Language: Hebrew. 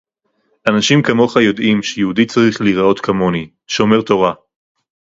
אנשים כמוך יודעים שיהודי צריך להיראות כמוני: שומר תורה